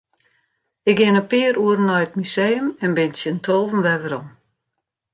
Ik gean in pear oeren nei it museum en bin tsjin tolven wer werom.